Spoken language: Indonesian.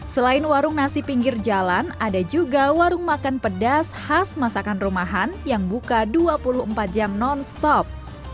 selain warung nasi pinggir jalan ada juga warung makan pedas khas masakan rumahan yang buka dua puluh empat jam non stop